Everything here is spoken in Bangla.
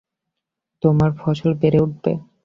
তোমার ফসল বেড়ে উঠবে।